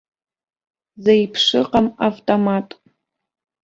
Зеиԥшыҟам автомат.